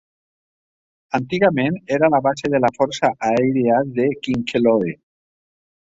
Antigament era la Base de la Força Aèria de Kincheloe.